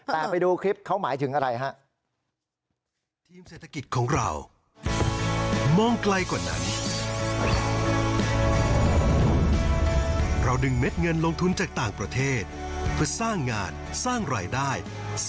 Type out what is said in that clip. แต่ไปดูคลิปเขาหมายถึงอะไรฮะ